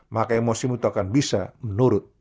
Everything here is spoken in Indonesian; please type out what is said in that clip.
maka emosimu itu akan bisa menurut dan mengembangkanmu